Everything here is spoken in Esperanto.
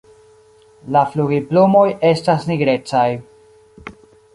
La flugilplumoj estas nigrecaj.